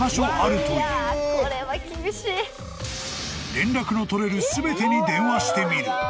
［連絡の取れる全てに電話してみる］